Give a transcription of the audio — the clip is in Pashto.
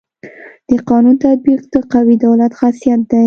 د قانون تطبیق د قوي دولت خاصيت دی.